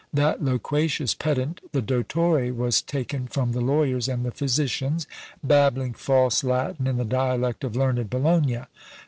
That loquacious pedant the Dottore was taken from the lawyers and the physicians, babbling false Latin in the dialect of learned Bologna.